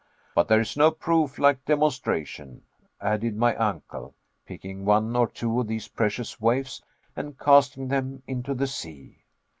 But there is no proof like demonstration," added my uncle, picking one or two of these precious waifs and casting them into the sea.